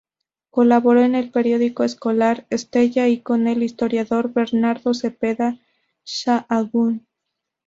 Colaboró en el periódico escolar "Stella" y con el historiador Bernardo Zepeda Sahagún.